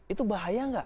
itu bahaya gak